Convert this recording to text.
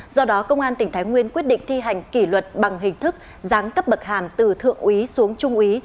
do đó công an tỉnh thái nguyên quyết định thi hành kỷ luật bằng hình thức giáng cấp bậc hàm từ thượng úy xuống trung úy